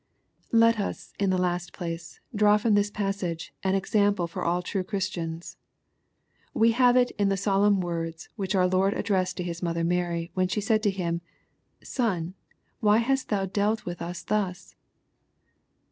Let us, in the last place, draw from this passage, an example for all true Christians. We have it in the sol emn words which our Lord addressed to His mother Mary, when she said to Him, " Son, why hast thou dealt with us thus